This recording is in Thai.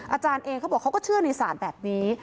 อาจารย์เองเขาบอกเขาก็เชื่อในศาลแบบนี้